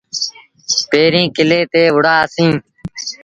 پيريٚݩ ڪلي تي وُهڙآ سيٚݩ۔